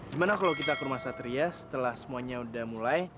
gimana kalau kita ke rumah satria setelah semuanya udah mulai